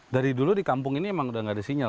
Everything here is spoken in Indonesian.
dari dulu di kampung ini emang udah gak ada sinyal